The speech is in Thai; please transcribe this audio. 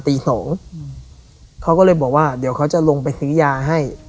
ตีสองเขาก็เลยบอกว่าเดี๋ยวเขาจะลงไปซื้อยาให้